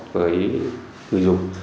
với người dùng